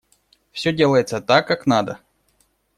Все делается так, как надо.